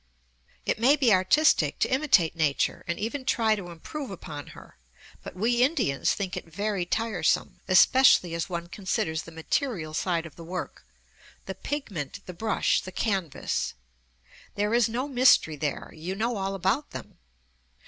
It may be artistic to imitate nature and even try to improve upon her, but we Indians think it very tiresome, especially as one considers the material side of the work the pigment, the brush, the canvas! There is no mystery there; you know all about them!